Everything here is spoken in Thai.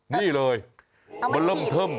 นี่เลยมันเริ่มเทิม